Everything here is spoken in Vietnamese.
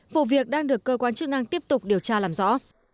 vụ việc đang được cơ quan chức năng tiếp tục điều tra làm rõ